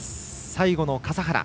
最後の笠原。